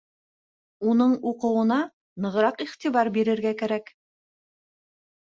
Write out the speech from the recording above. Уның уҡыуына нығыраҡ иғтибар бирергә кәрәк.